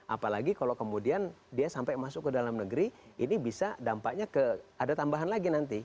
apalagi kalau kemudian dia sampai masuk ke dalam negeri ini bisa dampaknya ada tambahan lagi nanti